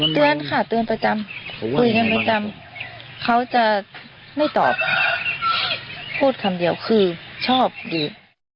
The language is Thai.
เตือนค่ะเตือนประจำคุยกันประจำเขาจะไม่ตอบพูดคำเดียวคือชอบดี